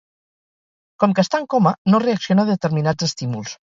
Com que està en coma, no reacciona a determinats estímuls.